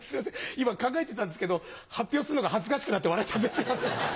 今考えてたんですけど発表するのが恥ずかしくなって笑っちゃってすいません。